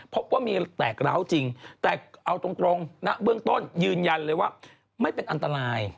พบว่ามีแตกร้าวจริงแต่เอาตรงณเบื้องต้นยืนยันเลยว่าไม่เป็นอันตราย